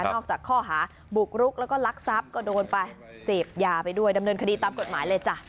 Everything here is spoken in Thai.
นอกจากข้อหาบุกรุกแล้วก็ลักทรัพย์ก็โดนไปเสพยาไปด้วยดำเนินคดีตามกฎหมายเลยจ้ะ